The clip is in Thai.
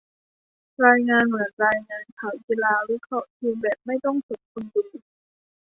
รายงานเหมือนรายงานข่าวกีฬา วิเคราะห์ทีมแบบไม่ต้องสนคนดู